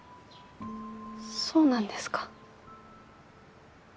そうなんですか。